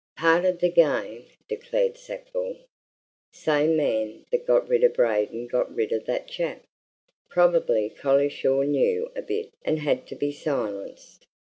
"Part of the game," declared Sackville. "Same man that got rid of Braden got rid of that chap! Probably Collishaw knew a bit and had to be silenced.